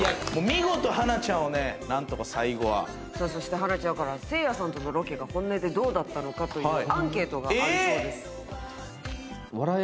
見事、英ちゃんをね、なんとそして英ちゃんから、せいやさんとのロケが、本音でどうだったのかというアンケートがあるそうです。